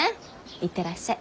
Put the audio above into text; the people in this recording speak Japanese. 行ってらっしゃい。